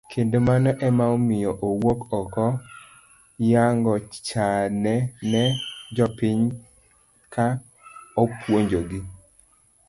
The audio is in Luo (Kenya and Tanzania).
Kendo mano ema omiyo owuok oko yango chane ne jopiny ka opuonjogi.